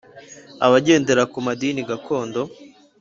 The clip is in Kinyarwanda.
abagendera ku madini gakondo.